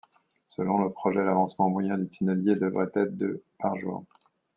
Selon le projet, l’avancement moyen du tunnelier devait être de par jour.